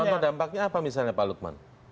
apa dampaknya apa misalnya pak lukman